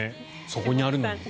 そこにあるのに。